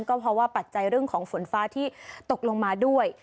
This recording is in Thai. ก็เพราะว่าปัจจัยเรื่องของฝนฟ้าที่ตกลงมาด้วย